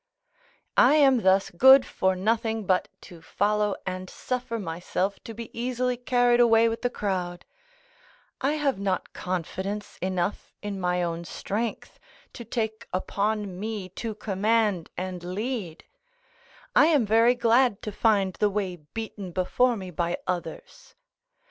I am thus good for nothing but to follow and suffer myself to be easily carried away with the crowd; I have not confidence enough in my own strength to take upon me to command and lead; I am very glad to find the way beaten before me by others.